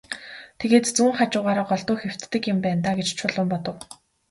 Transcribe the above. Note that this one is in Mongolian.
Тэгээд зүүн хажуугаараа голдуу хэвтдэг юм байна даа гэж Чулуун бодов.